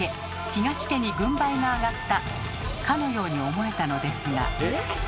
東家に軍配が上がったかのように思えたのですが。